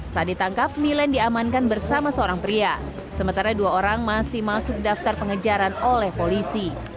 saat ditangkap milen diamankan bersama seorang pria sementara dua orang masih masuk daftar pengejaran oleh polisi